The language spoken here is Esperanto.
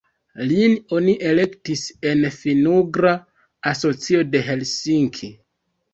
Lin oni elektis en Finn-ugra Asocio de Helsinki.